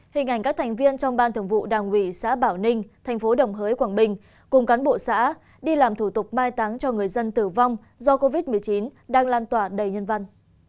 hình ảnh các thành viên trong ban thường vụ đảng ủy xã bảo ninh thành phố đồng hới quảng bình cùng cán bộ xã đi làm thủ tục mai táng cho người dân tử vong do covid một mươi chín đang lan tỏa đầy nhân văn